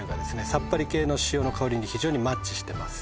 さっぱり系の塩の香りに非常にマッチしてます